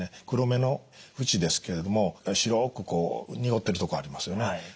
黒目の縁ですけれども白く濁ってるとこありますよね。